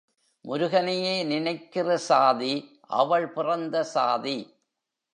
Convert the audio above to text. முருகனையே நினைக்கிற சாதி அவள் பிறந்த சாதி.